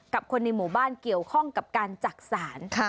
กับคนในหมู่บ้านเกี่ยวข้องกับการจักษาน